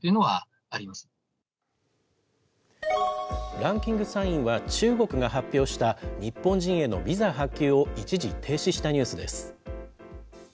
ランキング３位は、中国が発表した日本人へのビザ発給を一時停止したニュースです。